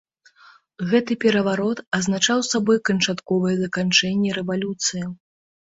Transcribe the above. Гэты пераварот азначаў сабой канчатковае заканчэнне рэвалюцыі.